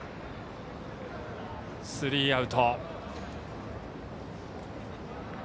スリーアウト。